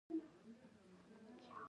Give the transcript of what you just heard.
هغه د سمندر په بڼه د مینې سمبول جوړ کړ.